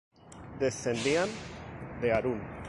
Descendían de Harún.